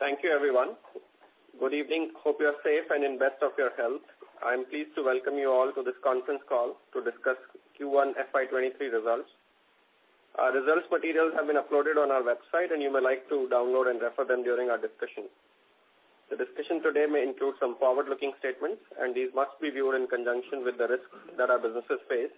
Thank you, everyone. Good evening. Hope you are safe and in best of your health. I am pleased to welcome you all to this conference call to discuss Q1 FY 2023 Results. Our results materials have been uploaded on our website, and you may like to download and refer them during our discussion. The discussion today may include some forward-looking statements, and these must be viewed in conjunction with the risks that our businesses face.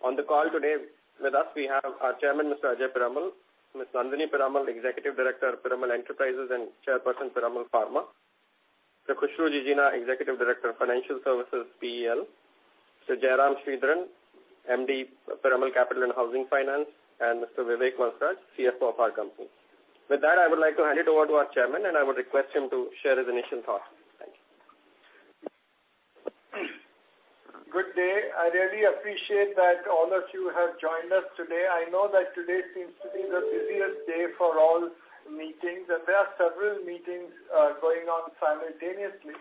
On the call today with us we have our Chairman, Mr. Ajay Piramal, Ms. Nandini Piramal, Executive Director of Piramal Enterprises and Chairperson, Piramal Pharma, Mr. Khushru Jijina, Executive Director of Financial Services PEL, Mr. Jairam Sridharan, MD of Piramal Capital and Housing Finance, and Mr. Vivek Valsaraj, CFO of our company. With that, I would like to hand it over to our chairman, and I would request him to share his initial thoughts. Thank you. Good day. I really appreciate that all of you have joined us today. I know that today seems to be the busiest day for all meetings, and there are several meetings going on simultaneously.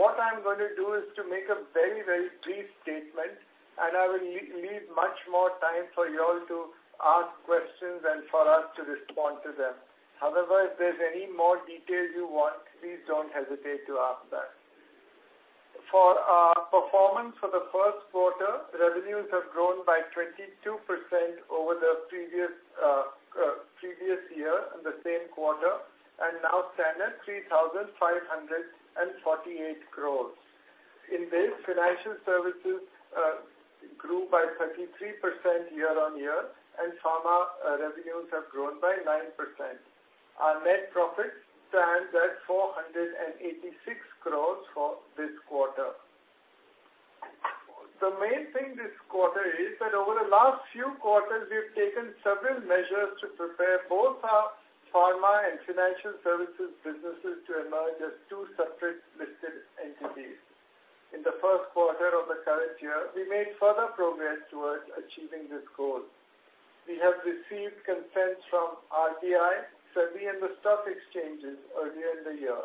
What I'm gonna do is to make a very, very brief statement, and I will leave much more time for you all to ask questions and for us to respond to them. However, if there's any more details you want, please don't hesitate to ask that. For our performance for the first quarter, revenues have grown by 22% over the previous year in the same quarter and now stand at 3,548 crore. In this, financial services grew by 33% year-on-year, and pharma revenues have grown by 9%. Our net profits stand at 486 crore for this quarter. The main thing this quarter is that over the last few quarters we've taken several measures to prepare both our pharma and financial services businesses to emerge as two separate listed entities. In the first quarter of the current year, we made further progress towards achieving this goal. We have received consent from RBI, SEBI, and the stock exchanges earlier in the year.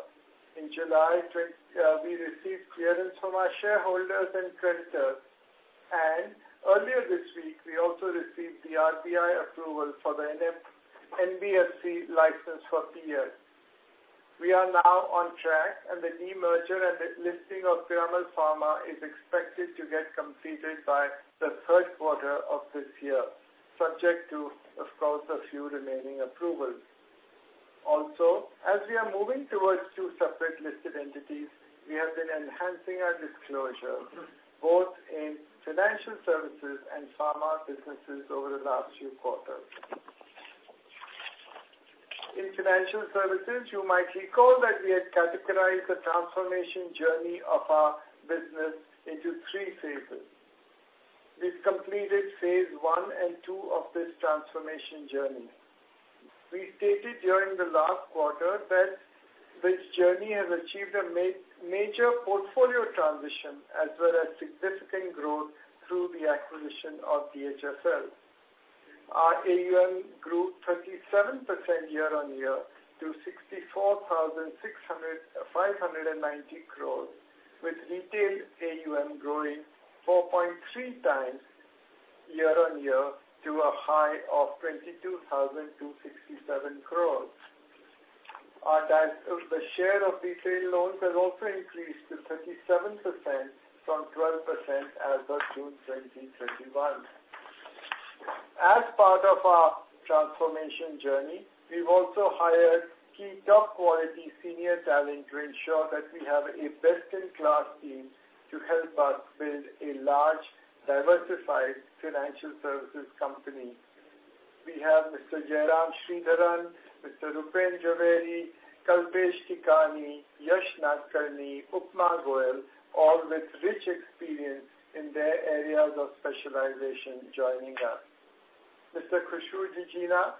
In July, we received clearance from our shareholders and creditors. Earlier this week, we also received the RBI approval for the NBFC license for PEL. We are now on track, and the demerger and the listing of Piramal Pharma is expected to get completed by the third quarter of this year, subject to, of course, a few remaining approvals. Also, as we are moving towards two separate listed entities, we have been enhancing our disclosure both in financial services and pharma businesses over the last few quarters. In financial services, you might recall that we had categorized the transformation journey of our business into three phases. We've completed phase one and two of this transformation journey. We stated during the last quarter that this journey has achieved a major portfolio transition as well as significant growth through the acquisition of DHFL. Our AUM grew 37% year-on-year to 64,659 crore, with retail AUM growing 4.3x year-on-year to a high of 22,267 crore. The share of retail loans has also increased to 37% from 12% as of June 2021. As part of our transformation journey, we've also hired key top quality senior talent to ensure that we have a best-in-class team to help us build a large, diversified financial services company. We have Mr. Jairam Sridharan, Mr. Rupen Jhaveri, Kalpesh Kikani, Yesh Nadkarni, Upma Goel, all with rich experience in their areas of specialization joining us. Mr. Khushru Jijina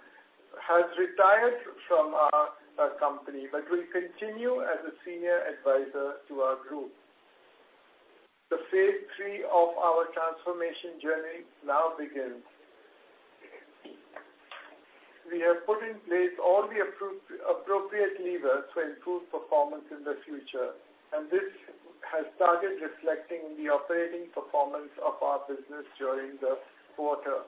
has retired from our company, but will continue as a senior advisor to our group. The phase three of our transformation journey now begins. We have put in place all the appropriate levers to improve performance in the future, and this has started reflecting in the operating performance of our business during the quarter.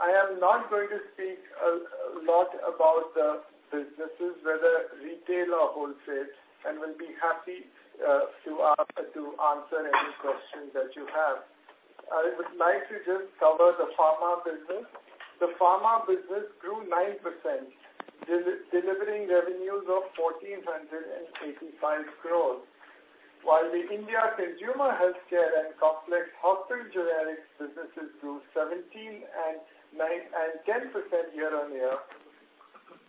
I am not going to speak a lot about the businesses, whether retail or wholesale, and will be happy to answer any questions that you have. I would like to just cover the pharma business. The pharma business grew 9%, delivering revenues of 1,485 crore. While the India consumer healthcare and complex hospital generics businesses grew 17%, 9%, and 10% year-on-year,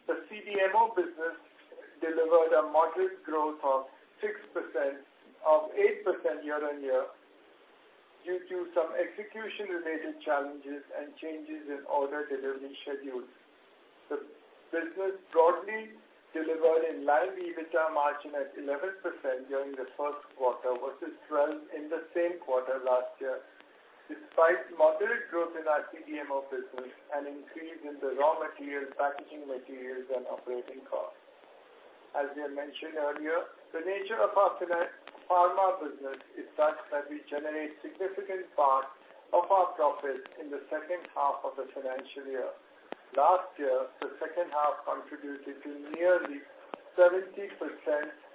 the CDMO business delivered a modest growth of 8% year-on-year due to some execution-related challenges and changes in order delivery schedules. The business broadly delivered in-line EBITDA margin at 11% during the first quarter versus 12% in the same quarter last year, despite moderate growth in our CDMO business and increase in the raw materials, packaging materials, and operating costs. As we have mentioned earlier, the nature of our pharma business is such that we generate significant part of our profit in the second half of the financial year. Last year, the second half contributed to nearly 70%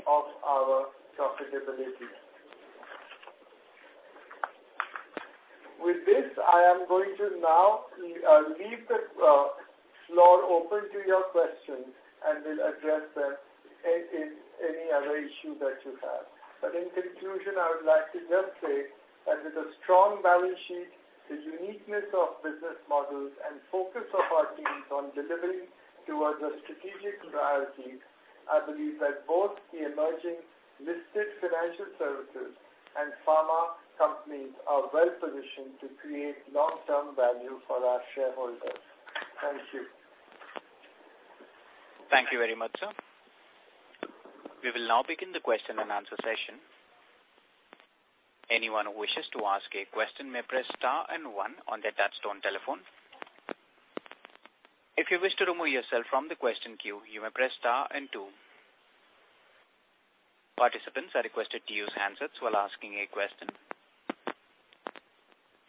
of our profitability. With this, I am going to now leave the floor open to your questions and we'll address them and any other issue that you have. In conclusion, I would like to just say that with a strong balance sheet, the uniqueness of business models and focus of our teams on delivering towards our strategic priorities, I believe that both the emerging listed financial services and pharma companies are well-positioned to create long-term value for our shareholders. Thank you. Thank you very much, sir. We will now begin the question and answer session. Anyone who wishes to ask a question may press star and one on their touchtone telephone. If you wish to remove yourself from the question queue, you may press star and two. Participants are requested to use handsets while asking a question.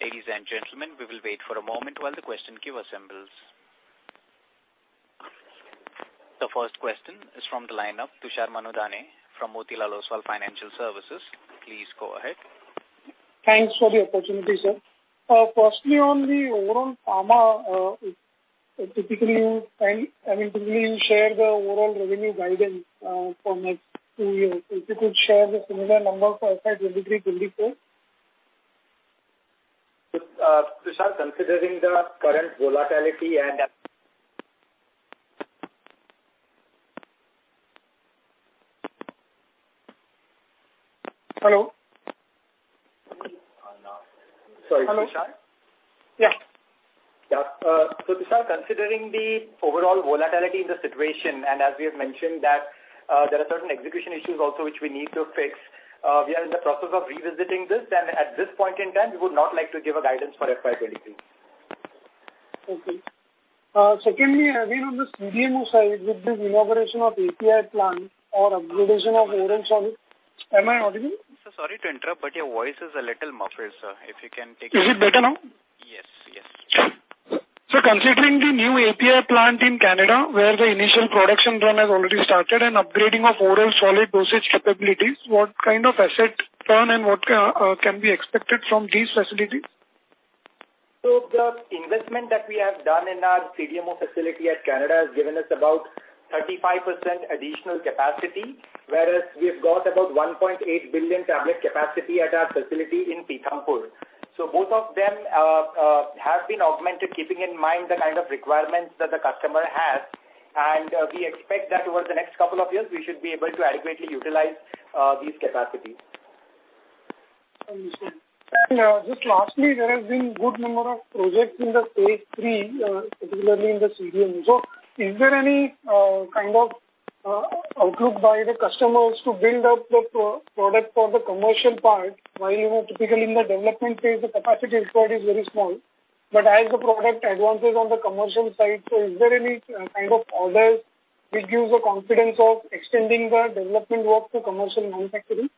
Ladies and gentlemen, we will wait for a moment while the question queue assembles. The first question is from the lineup, Tushar Manudhane from Motilal Oswal Financial Services. Please go ahead. Thanks for the opportunity, sir. Firstly, on the overall pharma, I mean, typically you share the overall revenue guidance for next two years. If you could share the similar numbers for FY 2023, 2024? Tushar, considering the current volatility and. Hello? Sorry, Tushar? Yeah. Tushar, considering the overall volatility in the situation, and as we have mentioned that there are certain execution issues also which we need to fix, we are in the process of revisiting this, and at this point in time, we would not like to give a guidance for FY 2023. Okay. Secondly, again, on the CDMO side, with this inauguration of API plant or upgrading of oral solid. Am I audible? Sir, sorry to interrupt, but your voice is a little muffled, sir. If you can take. Is it better now? Yes, yes. Considering the new API plant in Canada, where the initial production run has already started and upgrading of oral solid dosage capabilities, what kind of asset turn and what can be expected from these facilities? The investment that we have done in our CDMO facility in Canada has given us about 35% additional capacity, whereas we have got about 1.8 billion tablet capacity at our facility in Pithampur. Both of them have been augmented, keeping in mind the kind of requirements that the customer has. We expect that over the next couple of years, we should be able to adequately utilize these capacities. Thank you, sir. Just lastly, there has been good number of projects in the Stage 3, particularly in the CDMO. Is there any kind of outlook by the customers to build up the product for the commercial part? While, you know, typically in the development phase, the capacity required is very small, but as the product advances on the commercial side, is there any kind of orders which gives the confidence of extending the development work to commercial manufacturing?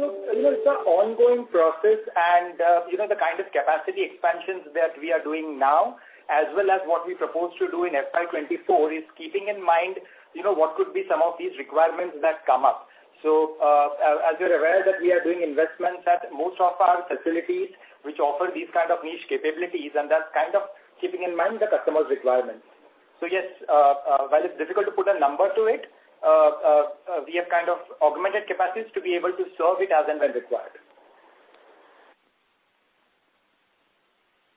You know, it's an ongoing process and you know, the kind of capacity expansions that we are doing now, as well as what we propose to do in FY 2024 is keeping in mind, you know, what could be some of these requirements that come up. As you're aware that we are doing investments at most of our facilities which offer these kind of niche capabilities and that's kind of keeping in mind the customer's requirements. Yes, while it's difficult to put a number to it, we have kind of augmented capacities to be able to serve it as and when required.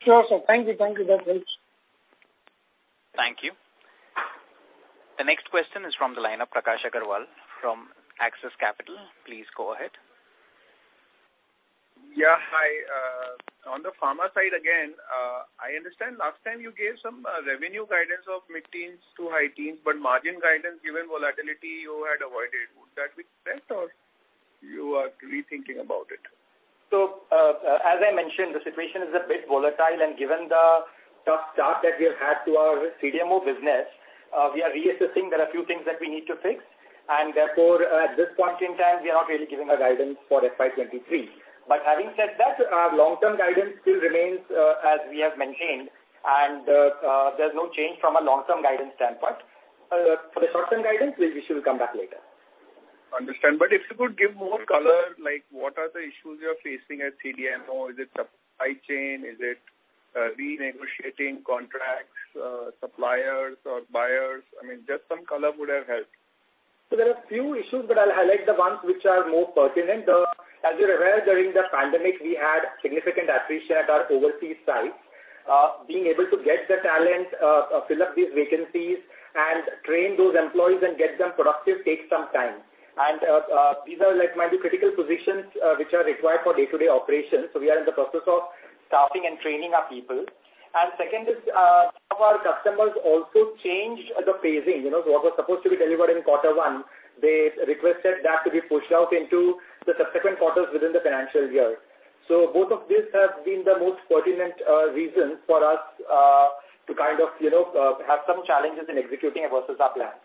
Sure, sir. Thank you. Thank you. That helps. Thank you. The next question is from the line of Prakash Agarwal from Axis Capital. Please go ahead. Yeah, hi. On the pharma side again, I understand last time you gave some revenue guidance of mid-teens to high teens, but margin guidance given volatility you had avoided. Would that be correct, or you are rethinking about it? As I mentioned, the situation is a bit volatile, and given the tough start that we have had to our CDMO business, we are reassessing. There are a few things that we need to fix, and therefore, at this point in time, we are not really giving a guidance for FY 2023. Having said that, our long-term guidance still remains, as we have maintained and, there's no change from a long-term guidance standpoint. For the short-term guidance, we shall come back later. Understand. If you could give more color, like what are the issues you're facing at CDMO? Is it supply chain? Is it, renegotiating contracts, suppliers or buyers? I mean, just some color would have helped. There are a few issues, but I'll highlight the ones which are more pertinent. As you're aware, during the pandemic, we had significant attrition at our overseas sites. Being able to get the talent, fill up these vacancies and train those employees and get them productive takes some time. These are like maybe critical positions, which are required for day-to-day operations. We are in the process of staffing and training our people. Second is, some of our customers also changed the phasing. You know, what was supposed to be delivered in quarter one, they requested that to be pushed out into the subsequent quarters within the financial year. Both of these have been the most pertinent reason for us to kind of, you know, have some challenges in executing versus our plans.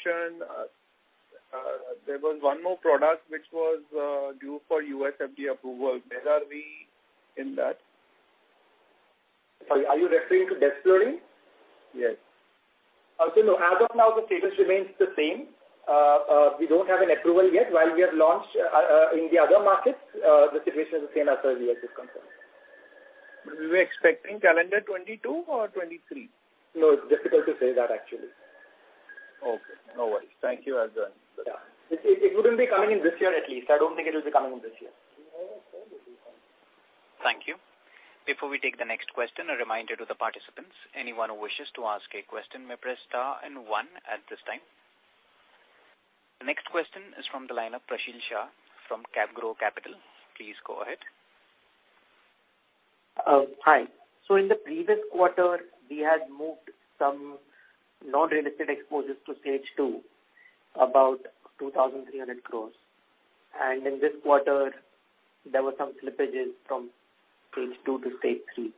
Let's mention there was one more product which was due for U.S. FDA approval. Where are we in that? Sorry, are you referring to Desflurane? Yes. Okay. No. As of now, the status remains the same. We don't have an approval yet. While we have launched in the other markets, the situation is the same as far as we are concerned. We're expecting calendar 2022 or 2023? No, it's difficult to say that actually. Okay. No worries. Thank you. I've done. Yeah. It wouldn't be coming in this year, at least. I don't think it'll be coming in this year. Thank you. Before we take the next question, a reminder to the participants. Anyone who wishes to ask a question may press star and one at this time. The next question is from the line of Prasheel Shah from CapGrow Capital. Please go ahead. Hi. In the previous quarter, we had moved some non-real estate exposures to Stage 2, about 2,300 crore. In this quarter, there were some slippages from Stage 2 to Stage 3.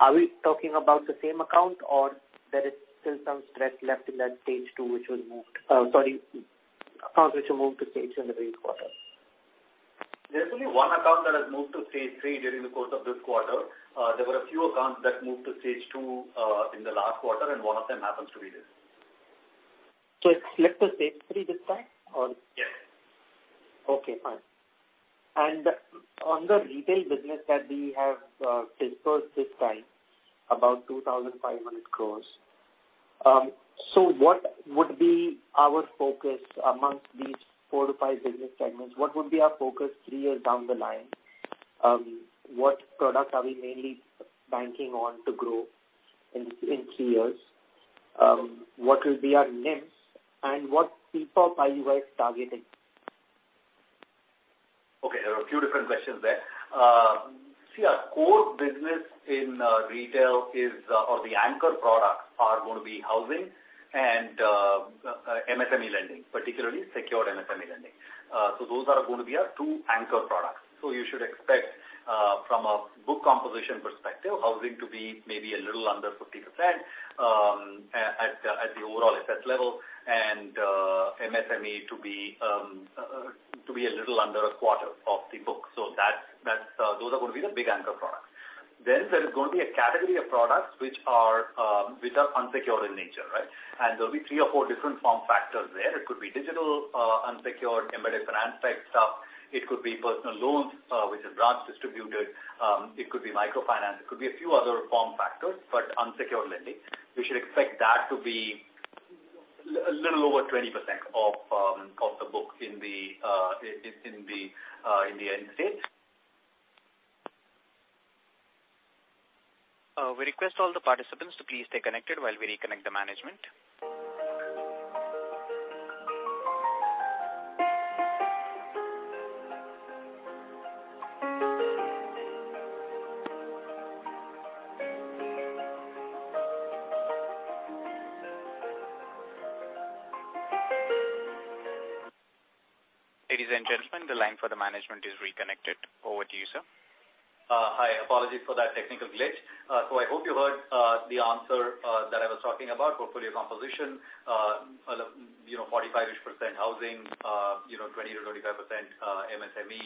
Are we talking about the same account or there is still some stress left in that Stage 2, which was moved? Accounts which were moved to Stage 2 in the previous quarter. There's only one account that has moved to Stage 3 during the course of this quarter. There were a few accounts that moved to Stage 2 in the last quarter, and one of them happens to be this. It slipped to Stage 3 this time or? Yes. Okay. Fine. On the retail business that we have, disbursed this time, about 2,500 crore. What would be our focus amongst these four to five business segments? What would be our focus three years down the line? What product are we mainly banking on to grow in three years? What will be our NIMs and what people are you guys targeting? Okay, there are a few different questions there. See, our core business in retail is, or the anchor products are gonna be housing and MSME lending, particularly secured MSME lending. Those are gonna be our two anchor products. You should expect, from a book composition perspective, housing to be maybe a little under 50% at the overall assets level, and MSME to be a little under a quarter of the book. Those are gonna be the big anchor products. There is going to be a category of products which are unsecured in nature, right? And there'll be three or four different form factors there. It could be digital, unsecured, embedded finance type stuff. It could be personal loans which is branch distributed. It could be microfinance. It could be a few other form factors, but unsecured lending. We should expect that to be a little over 20% of the book in the end state. We request all the participants to please stay connected while we reconnect the management. Ladies and gentlemen, the line for the management is reconnected. Over to you, sir. Hi. Apologies for that technical glitch. I hope you heard the answer that I was talking about. Portfolio composition, you know, 45-ish% housing, you know, 20-25% MSME,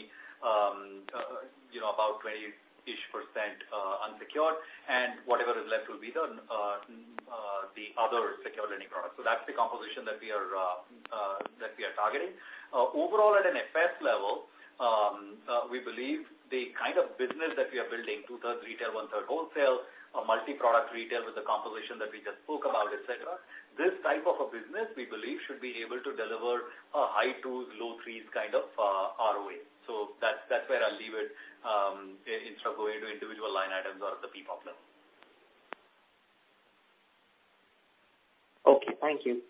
you know, about 20-ish% unsecured, and whatever is left will be the other secured lending products. That's the composition that we are targeting. Overall at an FS level, we believe the kind of business that we are building, two-thirds retail, 1/3 wholesale, a multi-product retail with the composition that we just spoke about, et cetera. This type of a business, we believe, should be able to deliver high twos, low threes kind of ROA. That's where I'll leave it, instead of going into individual line items or the people plan. Okay. Thank you.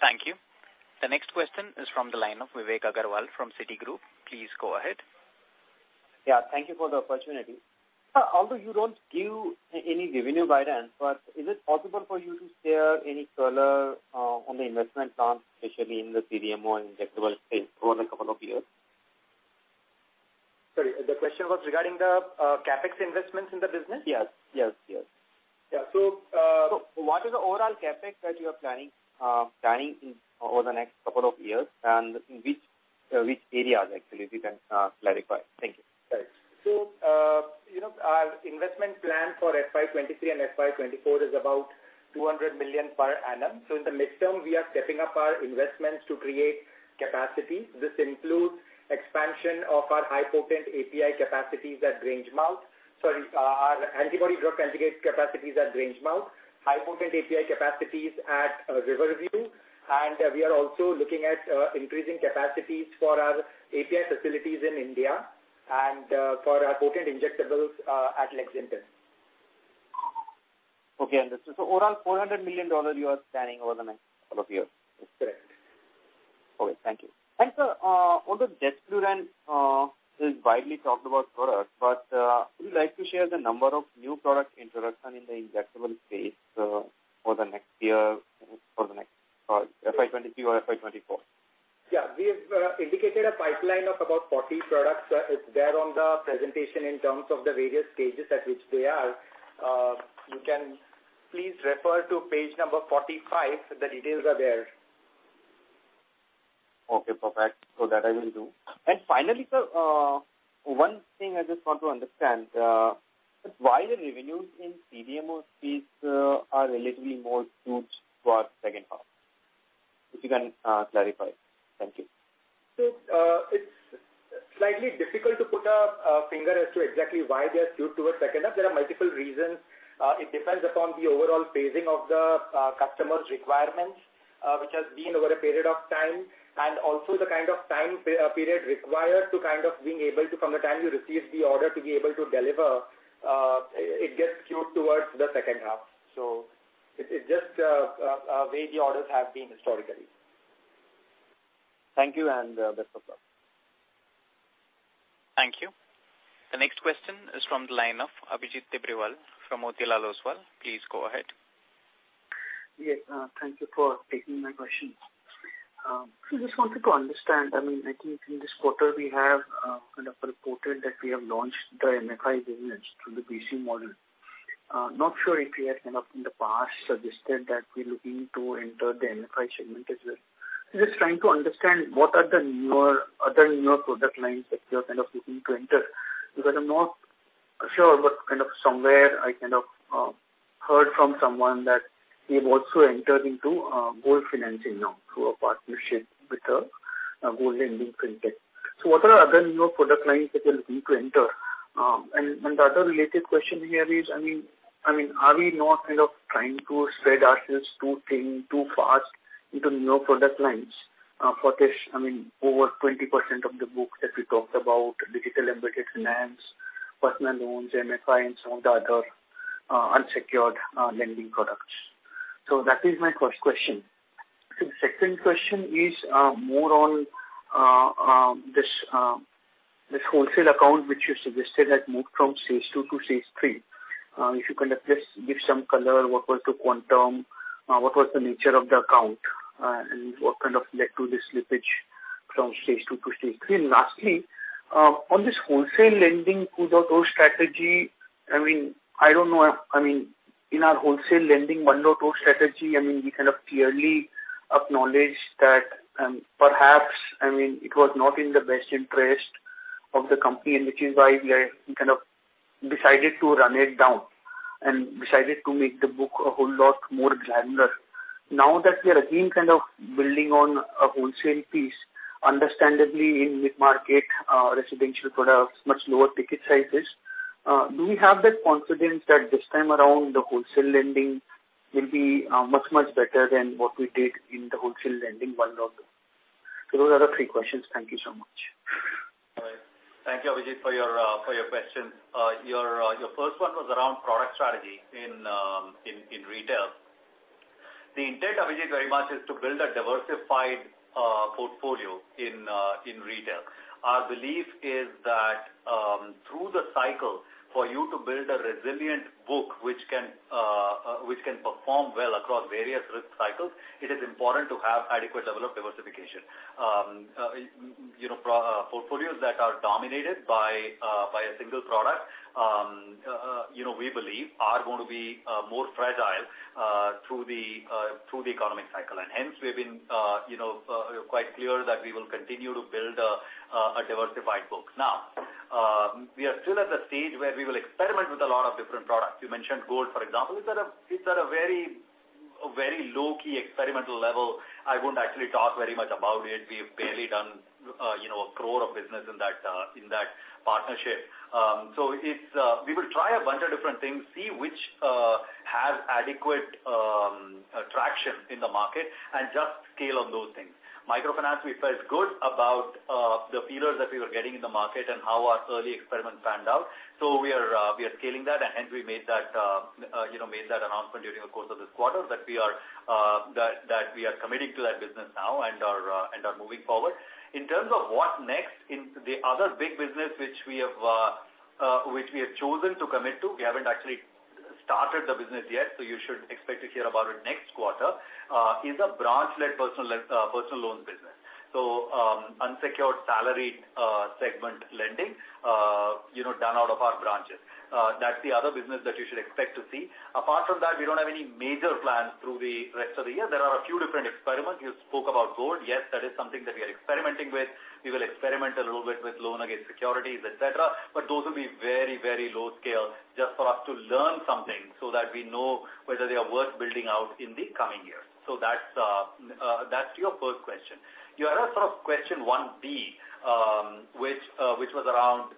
Thank you. The next question is from the line of Vivek Agarwal from Citigroup. Please go ahead. Yeah. Thank you for the opportunity. Although you don't give any revenue guidance, but is it possible for you to share any color on the investment plans, especially in the CDMO injectable space over the couple of years? Sorry. The question was regarding the CapEx investments in the business? Yes. Yes. Yes. Yeah. What is the overall CapEx that you are planning over the next couple of years, and which areas actually we can clarify? Thank you. Right. You know, our investment plan for FY 2023 and FY 2024 is about $200 million per annum. In the midterm, we are stepping up our investments to create capacity. This includes expansion of our antibody-drug conjugate capacities at Grangemouth, High Potency API capacities at Riverview. We are also looking at increasing capacities for our API facilities in India and for our potent injectables at Lexington. Okay. Understood. Overall $400 million you are planning over the next couple of years. That's correct. Okay. Thank you. Sir, although debt clearance is widely talked about product, but would you like to share the number of new product introduction in the injectable space for the next year, FY 2022 or FY 2024? Yeah. We have indicated a pipeline of about 40 products. It's there on the presentation in terms of the various stages at which they are. You can please refer to page number 45, the details are there. Okay, perfect. That I will do. Finally, sir, one thing I just want to understand, why the revenues in CDMO space are relatively more skewed towards second half? If you can clarify. Thank you. It's slightly difficult to put a finger as to exactly why they are skewed towards second half. There are multiple reasons. It depends upon the overall phasing of the customer's requirements, which has been over a period of time, and also the kind of time period required to kind of being able to, from the time you receive the order to be able to deliver, it gets skewed towards the second half. It just the way the orders have been historically. Thank you, and best of luck. Thank you. The next question is from the line of Abhijit Tibrewal from Motilal Oswal. Please go ahead. Yes. Thank you for taking my questions. I just wanted to understand, I mean, I think in this quarter we have kind of reported that we have launched the MFI business through the BC model. Not sure if you had kind of in the past suggested that we're looking to enter the MFI segment as well. I'm just trying to understand what are the other newer product lines that you're kind of looking to enter. Because I'm not sure, but kind of somewhere I kind of heard from someone that we have also entered into gold financing now through a partnership with a gold lending fintech. What are other newer product lines that you're looking to enter? The other related question here is, I mean, are we not kind of trying to spread ourselves too thin too fast into newer product lines, for this, I mean, over 20% of the book that we talked about, digital embedded finance, personal loans, MFIs and all the other, unsecured, lending products. That is my first question. The second question is more on this wholesale account which you suggested had moved from Stage 2 to Stage 3. If you can just give some color, what was the quantum, what was the nature of the account, and what kind of led to this slippage from Stage 2 to Stage 3? Lastly, on this wholesale lending, our old strategy, I mean, I don't know, I mean, in our wholesale lending, our old strategy, I mean, we kind of clearly acknowledged that, perhaps, I mean, it was not in the best interest of the company, and which is why we kind of decided to run it down and decided to make the book a whole lot more granular. Now that we are again kind of building on a wholesale piece, understandably in mid-market, residential products, much lower ticket sizes, do we have that confidence that this time around the wholesale lending will be, much, much better than what we did in the wholesale lending, our old? Those are the three questions. Thank you so much. All right. Thank you Abhijit for your questions. Your first one was around product strategy in retail. The intent, Abhijit, very much is to build a diversified portfolio in retail. Our belief is that through the cycle for you to build a resilient book which can perform well across various risk cycles, it is important to have adequate level of diversification. You know, portfolios that are dominated by a single product, you know, we believe are going to be more fragile through the economic cycle. Hence we've been you know quite clear that we will continue to build a diversified book. Now, we are still at the stage where we will experiment with a lot of different products. You mentioned gold, for example. It's at a very, very low-key experimental level. I won't actually talk very much about it. We've barely done, you know, 1 crore of business in that partnership. So, we will try a bunch of different things, see which has adequate traction in the market and just scale on those things. Microfinance, we felt good about the feelers that we were getting in the market and how our early experiments panned out. We are scaling that, and hence we made that announcement during the course of this quarter that we are committing to that business now and are moving forward. In terms of what next, in the other big business which we have chosen to commit to, we haven't actually started the business yet, so you should expect to hear about it next quarter, is a branch-led personal loans business. Unsecured salaried segment lending, you know, done out of our branches. That's the other business that you should expect to see. Apart from that, we don't have any major plans through the rest of the year. There are a few different experiments. You spoke about gold. Yes, that is something that we are experimenting with. We will experiment a little bit with loan against securities, et cetera. Those will be very, very low scale just for us to learn something so that we know whether they are worth building out in the coming years. That's your first question. Your other sort of question 1B, which was around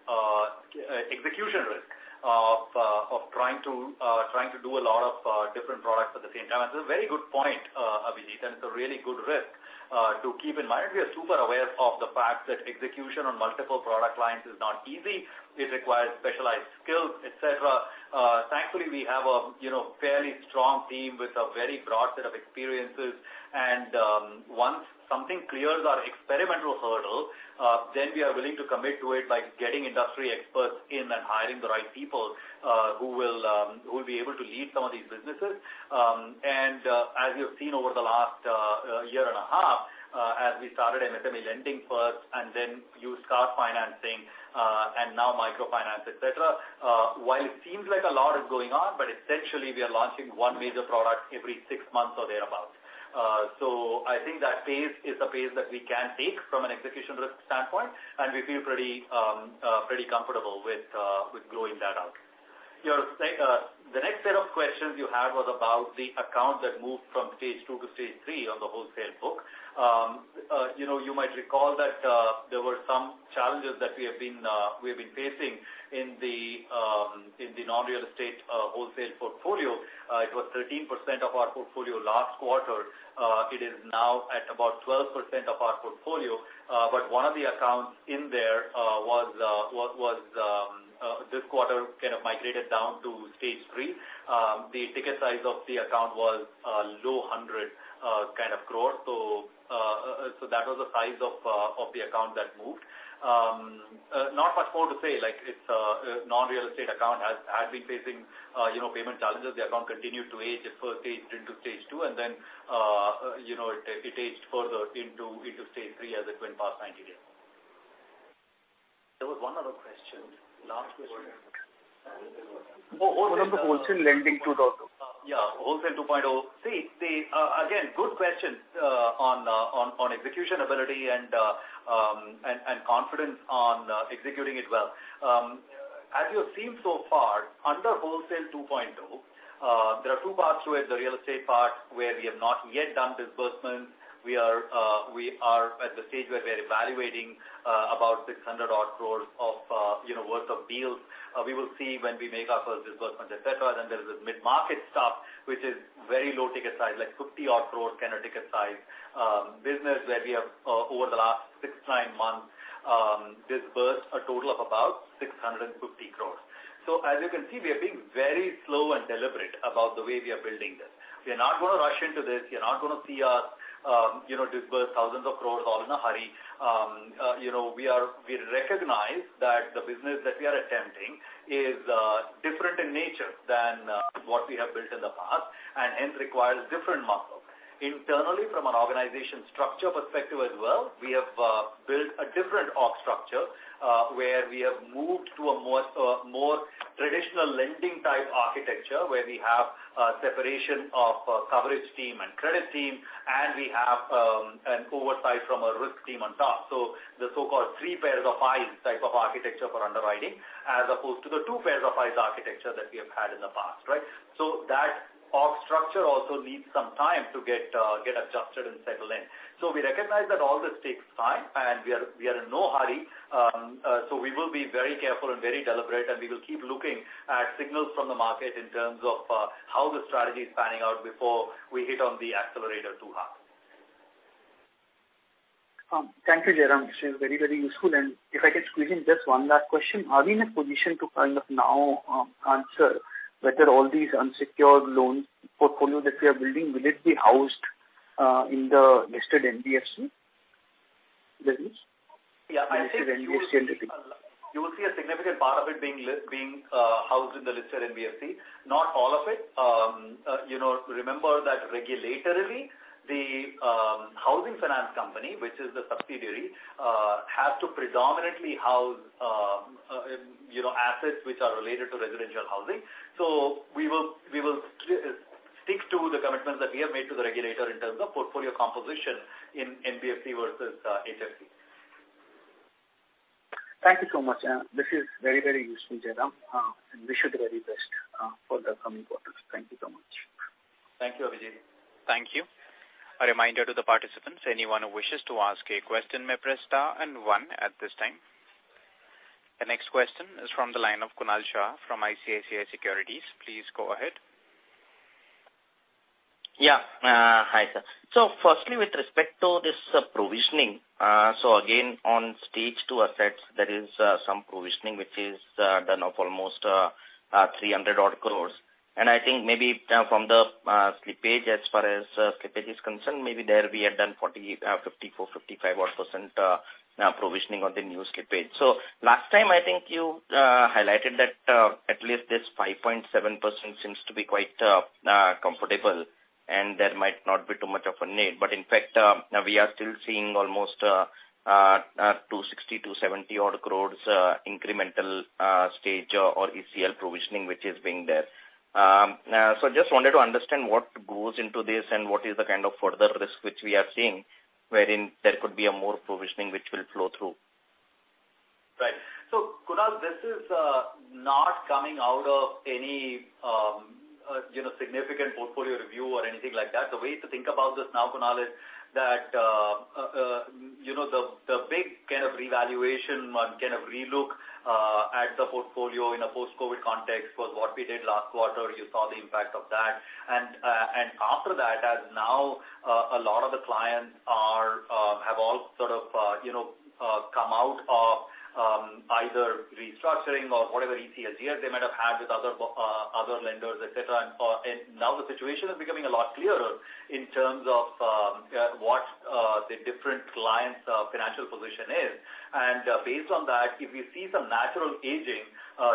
execution risk of trying to do a lot of different products at the same time. That's a very good point, Abhijit, and it's a really good risk to keep in mind. We are super aware of the fact that execution on multiple product lines is not easy. It requires specialized skills, et cetera. Thankfully, we have a, you know, fairly strong team with a very broad set of experiences and, once something clears our experimental hurdle, then we are willing to commit to it by getting industry experts in and hiring the right people, who will be able to lead some of these businesses. As you've seen over the last year and a half, as we started SME lending first and then used car financing, and now microfinance, et cetera, while it seems like a lot is going on, essentially we are launching one major product every six months or thereabout. I think that pace is a pace that we can take from an execution risk standpoint, and we feel pretty comfortable with growing that out. The next set of questions you had was about the accounts that moved from Stage 2 to Stage 3 on the wholesale book. You know, you might recall that there were some challenges that we have been facing in the non-real estate wholesale portfolio. It was 13% of our portfolio last quarter. It is now at about 12% of our portfolio. But one of the accounts in there was this quarter kind of migrated down to Stage 3. The ticket size of the account was a low 100 kind of crore. That was the size of the account that moved. Not much more to say, like it's a non-real estate account that had been facing, you know, payment challenges. The account continued to age. It first aged into Stage 2 and then it aged further into Stage 3 as it went past 90 days. There was one other question. Last question. Wholesale lending 2.0. Yeah, Wholesale 2.0. See, again, good question on execution ability and confidence on executing it well. As you have seen so far, under Wholesale 2.0, there are two parts to it. The real estate part where we have not yet done disbursement. We are at the stage where we are evaluating about 600 crore worth of deals, you know. We will see when we make our first disbursement, et cetera. Then there is this mid-market stuff, which is very low ticket size, like 50 crore kind of ticket size business where we have over the last six to nine months disbursed a total of about 650 crore. As you can see, we are being very slow and deliberate about the way we are building this. We are not gonna rush into this. You're not gonna see us, you know, disburse thousands of crores all in a hurry. You know, we recognize that the business that we are attempting is different in nature than what we have built in the past and hence requires different muscle. Internally, from an organization structure perspective as well, we have built a different org structure, where we have moved to a more traditional lending type architecture where we have a separation of a coverage team and credit team, and we have an oversight from a risk team on top. The so-called three pairs of eyes type of architecture for underwriting, as opposed to the two pairs of eyes architecture that we have had in the past, right? That org structure also needs some time to get adjusted and settle in. We recognize that all this takes time, and we are in no hurry. We will be very careful and very deliberate, and we will keep looking at signals from the market in terms of how the strategy is panning out before we hit on the accelerator too hard. Thank you, Jairam. This is very, very useful. If I could squeeze in just one last question. Are we in a position to kind of now answer whether all these unsecured loan portfolio that we are building will it be housed in the listed NBFC business? Yeah. The listed NBFC entity. You will see a significant part of it being housed in the listed NBFC. Not all of it. You know, remember that regulatorily, the housing finance company, which is the subsidiary, has to predominantly house you know, assets which are related to residential housing. We will stick to the commitments that we have made to the regulator in terms of portfolio composition in NBFC versus HFC. Thank you so much. This is very, very useful, Jairam. Wish you the very best for the coming quarters. Thank you so much. Thank you, Abhijit. Thank you. A reminder to the participants, anyone who wishes to ask a question may press star and one at this time. The next question is from the line of Kunal Shah from ICICI Securities. Please go ahead. Yeah. Hi, sir. Firstly, with respect to this provisioning, again, on Stage 2 assets, there is some provisioning which is done of almost 300 crore. I think maybe from the slippage, as far as slippage is concerned, maybe there we have done 54%-55% provisioning on the new slippage. Last time, I think you highlighted that at least this 5.7% seems to be quite comfortable and there might not be too much of a need, but in fact, we are still seeing almost 260-270 crore incremental stage or ECL provisioning which is being there. Just wanted to understand what goes into this and what is the kind of further risk which we are seeing wherein there could be a more provisioning which will flow through. Right. Kunal, this is not coming out of any, you know, significant portfolio review or anything like that. The way to think about this now, Kunal, is that, you know, the big kind of revaluation one, kind of relook, at the portfolio in a post-COVID context was what we did last quarter. You saw the impact of that. After that, and now, a lot of the clients have all sort of, you know, come out of, either restructuring or whatever OTS years they might have had with other lenders, etc. Now the situation is becoming a lot clearer in terms of, what the different clients', financial position is. Based on that, if you see some natural aging,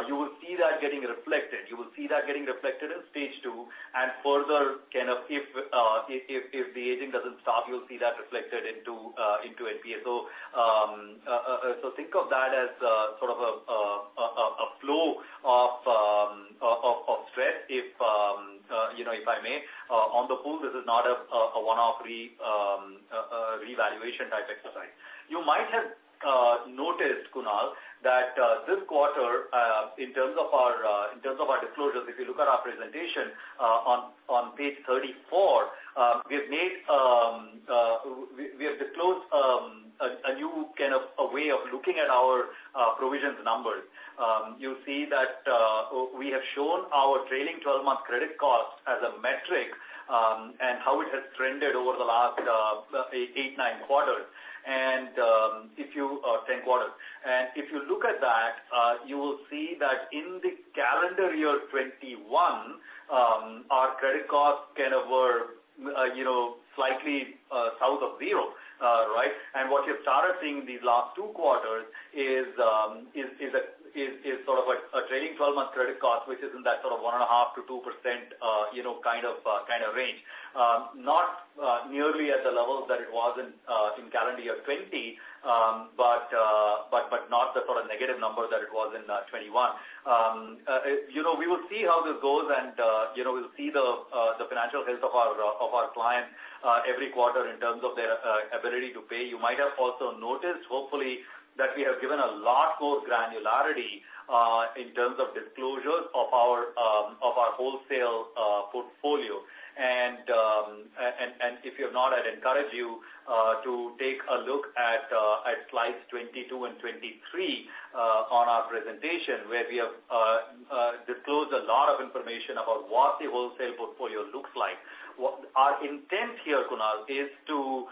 you will see that getting reflected. You will see that getting reflected in Stage 2 and further kind of if the aging doesn't stop, you'll see that reflected into NPA. So think of that as sort of a flow of stress if you know, if I may. On the pool, this is not a one-off revaluation type exercise. You might have noticed, Kunal, that this quarter in terms of our disclosures, if you look at our presentation on page 34, we have disclosed a new kind of a way of looking at our provisions numbers. You'll see that we have shown our trailing 12-month credit cost as a metric, and how it has trended over the last ten quarters. If you look at that, you will see that in the calendar year 2021, our credit costs kind of were, you know, slightly south of zero, right? What you've started seeing these last two quarters is sort of a trailing twelve-month credit cost, which is in that sort of 1.5%-2%, you know, kind of range. Not nearly at the levels that it was in calendar year 2020, but not the sort of negative numbers that it was in 2021. you know, we will see how this goes, and you know, we'll see the financial health of our clients every quarter in terms of their ability to pay. You might have also noticed, hopefully, that we have given a lot more granularity in terms of disclosures of our wholesale portfolio. if you have not, I'd encourage you to take a look at slides 22 and 23 on our presentation, where we have disclosed a lot of information about what the wholesale portfolio looks like. Our intent here, Kunal, is to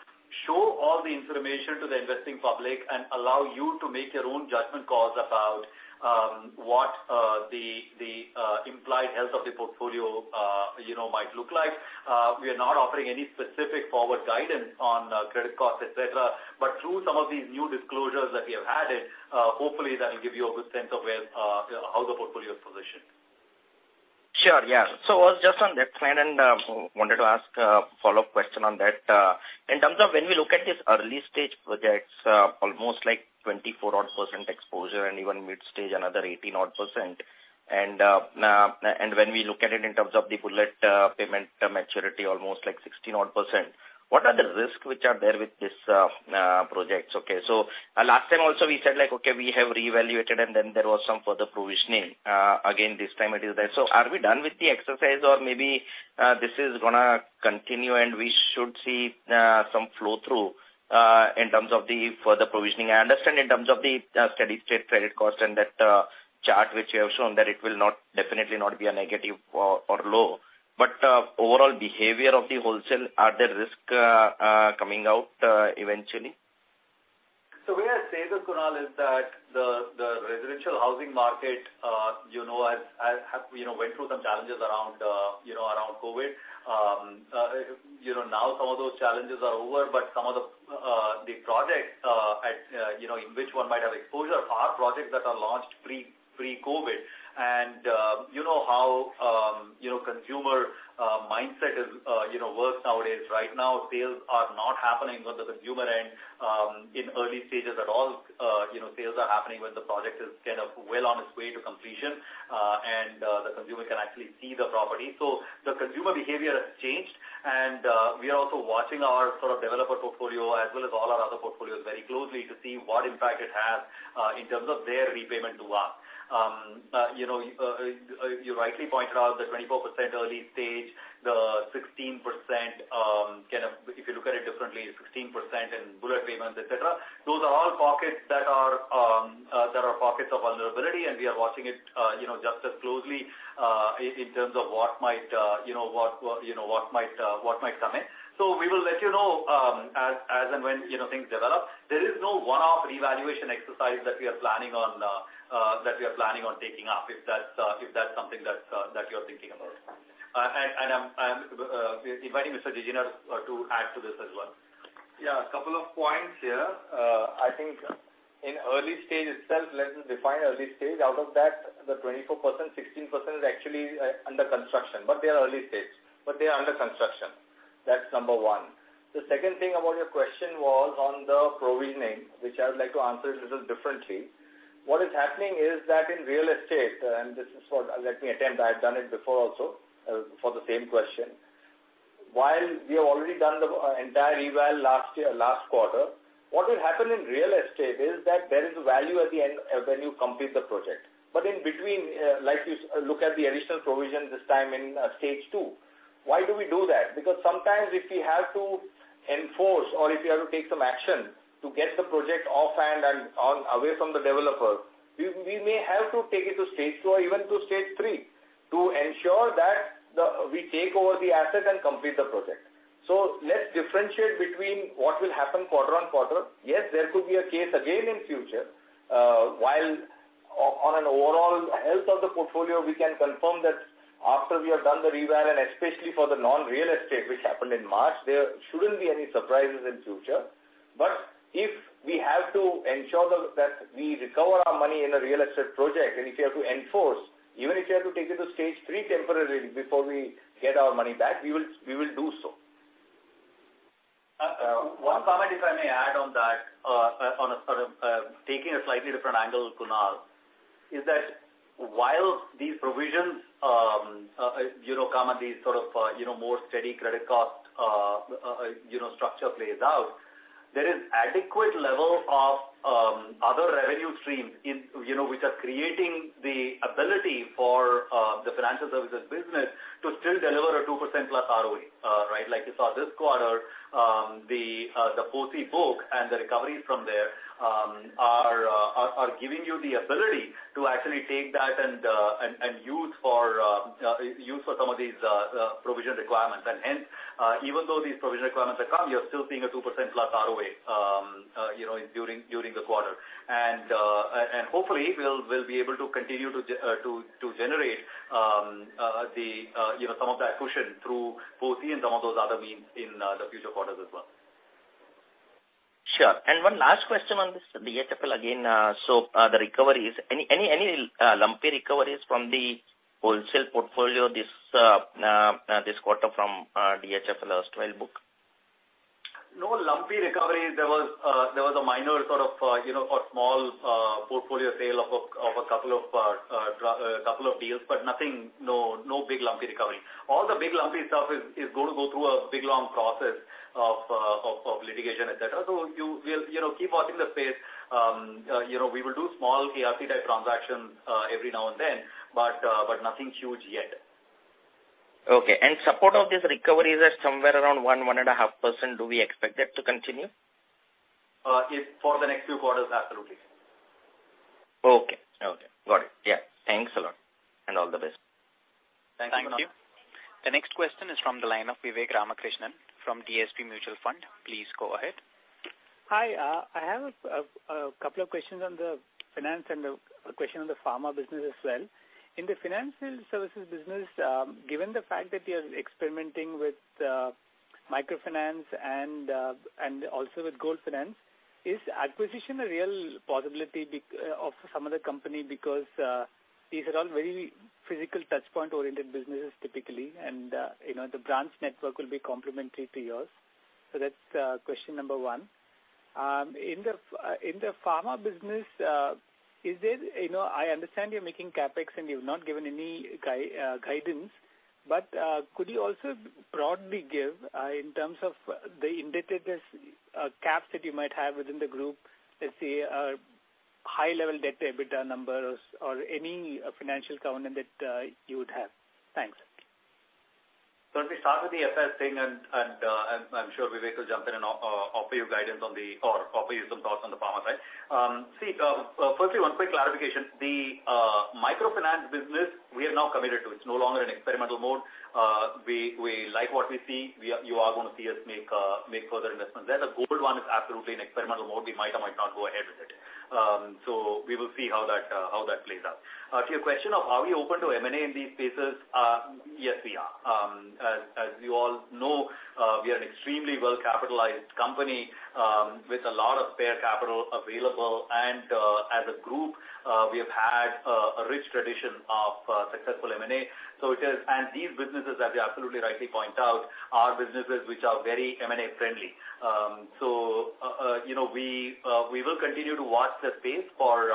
show all the information to the investing public and allow you to make your own judgment calls about what the implied health of the portfolio you know might look like. We are not offering any specific forward guidance on credit costs, etc. Through some of these new disclosures that we have added, hopefully that'll give you a good sense of where how the portfolio is positioned. Sure. Yeah. I was just on that plan and wanted to ask a follow-up question on that. In terms of when we look at this early stage projects, almost like 24 odd% exposure and even mid stage, another 18 odd%. When we look at it in terms of the bullet payment maturity, almost like 16 odd%, what are the risks which are there with this projects? Okay. Last time also we said like, okay, we have reevaluated and then there was some further provisioning. Again, this time it is there. Are we done with the exercise or maybe this is gonna continue and we should see some flow through in terms of the further provisioning? I understand in terms of the steady-state credit cost and that chart which you have shown that it will not, definitely not be a negative or low. Overall behavior of the wholesale, are there risks coming out eventually? The way I say this, Kunal, is that the residential housing market, you know, has went through some challenges around, you know, around COVID. You know, now some of those challenges are over, but some of the projects, you know, in which one might have exposure are projects that are launched pre-COVID. You know how, you know, consumer mindset is, you know, works nowadays. Right now, sales are not happening on the consumer end, in early stages at all. You know, sales are happening when the project is kind of well on its way to completion, and the consumer can actually see the property. The consumer behavior has changed and we are also watching our sort of developer portfolio as well as all our other portfolios very closely to see what impact it has in terms of their repayment to us. You know, you rightly pointed out the 24% early stage, the 16%. If you look at it differently, 16% in bullet payments, etc. Those are all pockets that are pockets of vulnerability, and we are watching it you know just as closely in terms of what might you know come in. We will let you know as and when you know things develop. There is no one-off revaluation exercise that we are planning on taking up, if that's something that you're thinking about. Inviting Mr. Khushru Jijina to add to this as well. Yeah, a couple of points here. I think in early stage itself, let's define early stage. Out of that, the 24%, 16% is actually under construction, but they are early stage, but they are under construction. That's number one. The second thing about your question was on the provisioning, which I would like to answer a little differently. What is happening is that in real estate, and this is what. Let me attempt. I've done it before also for the same question. While we have already done the entire eval last year, last quarter, what will happen in real estate is that there is a value at the end when you complete the project. But in between, like you look at the additional provision this time in Stage 2, why do we do that? Because sometimes if we have to enforce or if we have to take some action to get the project offhand and on away from the developer, we may have to take it to Stage 2 or even to Stage 3 to ensure that we take over the asset and complete the project. Let's differentiate between what will happen quarter-over-quarter. Yes, there could be a case again in future while on an overall health of the portfolio, we can confirm that after we have done the reval and especially for the non-real estate which happened in March, there shouldn't be any surprises in future. If we have to ensure that we recover our money in a real estate project, and if we have to enforce, even if we have to take it to Stage 3 temporarily before we get our money back, we will do so. One comment, if I may add on that, on a sort of, taking a slightly different angle, Kunal, is that while these provisions, you know, come at these sort of, you know, more steady credit cost, you know, structure plays out, there is adequate level of, other revenue streams in, you know, which are creating the ability for, the financial services business to still deliver a 2%+ ROE, right? Like you saw this quarter, the DHFL book and the recoveries from there, are giving you the ability to actually take that and use for some of these, provision requirements. Even though these provision requirements have come, you're still seeing a 2%+ ROE, you know, during the quarter. hopefully, we'll be able to continue to generate, you know, some of that cushion through POCI and some of those other means in the future quarters as well. Sure. One last question on this DHFL again, so, the recoveries. Any lumpy recoveries from the wholesale portfolio this quarter from DHFL's tail book? No lumpy recoveries. There was a minor sort of, you know, a small portfolio sale of a couple of deals, but nothing, no big lumpy recovery. All the big lumpy stuff is gonna go through a big, long process of litigation, et cetera. You will, you know, keep watching the space. You know, we will do small ARC type transactions every now and then, but nothing huge yet. Okay. Support of these recoveries are somewhere around 1%-1.5%. Do we expect that to continue? If for the next few quarters, absolutely. Okay. Okay. Got it. Yeah. Thanks a lot. All the best. Thank you. Thank you. The next question is from the line of Vivek Ramakrishnan from DSP Mutual Fund. Please go ahead. Hi. I have a couple of questions on the finance and a question on the pharma business as well. In the financial services business, given the fact that you're experimenting with microfinance and also with gold finance, is acquisition a real possibility of some other company because these are all very physical touchpoint-oriented businesses typically, and you know, the branch network will be complementary to yours. That's question number one. In the pharma business, you know, I understand you're making CapEx, and you've not given any guidance, but could you also broadly give in terms of the indicators, caps that you might have within the group, let's say, high-level debt EBITDA numbers or any financial covenant that you would have? Thanks. Let me start with the FS thing and I'm sure Vivek will jump in and offer you some thoughts on the pharma side. Firstly, one quick clarification. The microfinance business, we are now committed to. It's no longer in experimental mode. We like what we see. You are gonna see us make further investments there. The gold one is absolutely in experimental mode. We might or might not go ahead with it. We will see how that plays out. To your question of are we open to M&A in these spaces? Yes, we are. You all know we are an extremely well-capitalized company with a lot of spare capital available. As a group, we have had a rich tradition of successful M&A. These businesses, as you absolutely rightly point out, are businesses which are very M&A friendly. You know, we will continue to watch the space for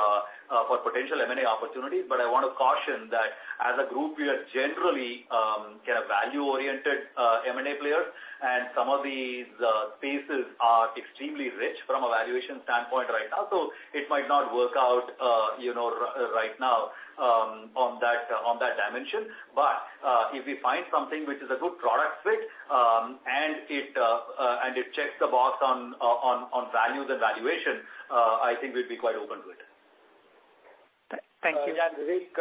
potential M&A opportunities. I want to caution that as a group, we are generally, you know, value-oriented M&A players, and some of these spaces are extremely rich from a valuation standpoint right now. It might not work out right now on that dimension. If we find something which is a good product fit, and it checks the box on value, the valuation, I think we'd be quite open to it. Thank you. Yeah, Vivek,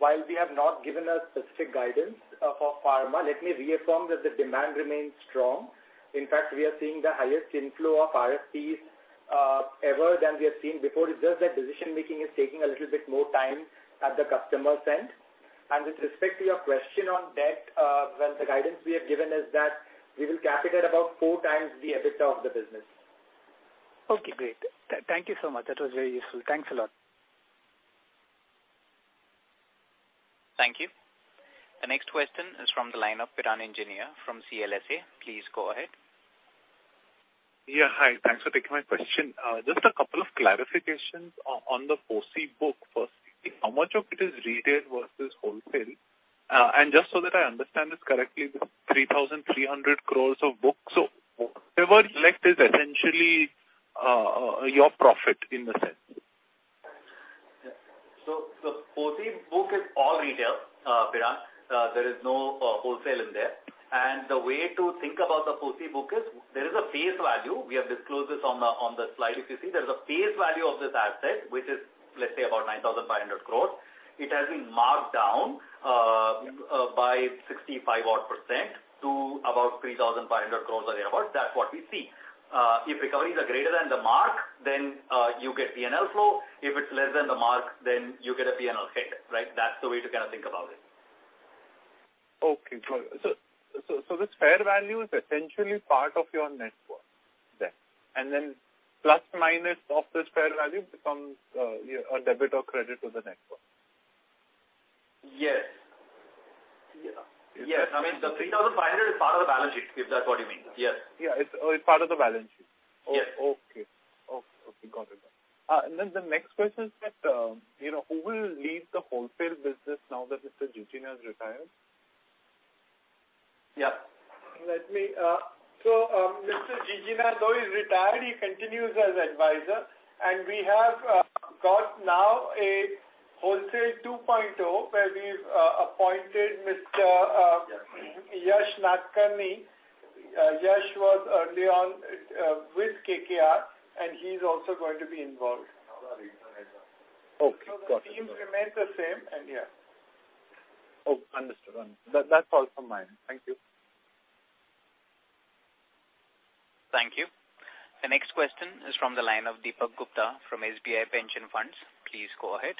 while we have not given a specific guidance for pharma, let me reaffirm that the demand remains strong. In fact, we are seeing the highest inflow of RFPs ever than we have seen before. It's just that decision-making is taking a little bit more time at the customer end. With respect to your question on debt, well, the guidance we have given is that we will cap at about 4x the EBITDA of the business. Okay, great. Thank you so much. That was very useful. Thanks a lot. Thank you. The next question is from the line of Kiran Engineer from CLSA. Please go ahead. Hi. Thanks for taking my question. Just a couple of clarifications on the POCI book. Firstly, how much of it is retail versus wholesale? And just so that I understand this correctly, the 3,300 crore of books. Whatever is left is essentially your profit in the sense. Yeah. The POCI book is all retail, Kiran. There is no wholesale in there. The way to think about the POCI book is there is a face value. We have disclosed this on the slide. If you see there's a face value of this asset, which is, let's say about 9,500 crore. It has been marked down by 65% odd to about 3,500 crore or thereabout. That's what we see. If recoveries are greater than the mark, then you get P&L flow. If it's less than the mark, then you get a P&L hit, right? That's the way to kind of think about it. Okay. This fair value is essentially part of your net worth then. Plus or minus of this fair value becomes a debit or credit to the net worth. Yes. Yeah. Yes. I mean, the 3,500 is part of the balance sheet, if that's what you mean. Yes. Yeah. It's part of the balance sheet. Yes. Okay, got it. Then the next question is that, you know, who will lead the wholesale business now that Mr. Jijina has retired? Mr. Jijina, though he's retired, he continues as advisor, and we have got now a Wholesale 2.0, where we've appointed Mr. Yesh Nadkarni. Yesh was early on with KKR, and he's also going to be involved. Okay. Got it. The teams remain the same, and yeah. Oh, understood. That's all from my end. Thank you. Thank you. The next question is from the line of Deepak Gupta from SBI Pension Funds. Please go ahead.